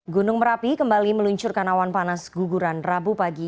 gunung merapi kembali meluncurkan awan panas guguran rabu pagi